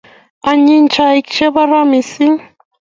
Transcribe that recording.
Anyiny chaik chebo ra mising